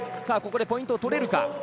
ここでポイントを取れるか？